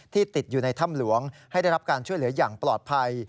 ติดอยู่ในถ้ำหลวงให้ได้รับการช่วยเหลืออย่างปลอดภัย